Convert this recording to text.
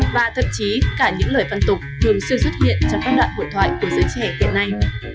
và thậm chí cả những lời văn tục thường xuyên xuất hiện trong các đoạn hội thoại của giới trẻ hiện nay